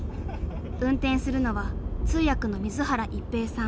運転するのは通訳の水原一平さん。